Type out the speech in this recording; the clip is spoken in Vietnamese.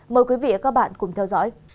mời quý vị và các bạn cùng theo dõi